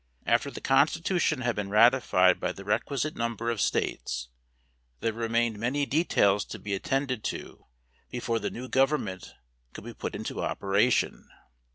After the Constitution had been ratified by the requisite number of States there remained many details to be attended to before the new government could be put into operation.